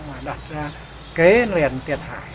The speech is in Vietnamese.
mà đặt ra kế liền tiền hải